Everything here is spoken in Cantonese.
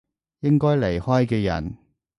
應該離開嘅人